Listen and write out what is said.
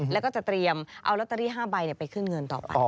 แล้วก็จะเตรียมเอาลอตเตอรี่๕ใบไปขึ้นเงินต่อไป